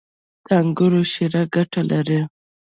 • د انګورو شیره ګټه لري.